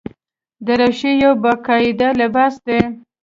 دریشي یو باقاعده لباس دی.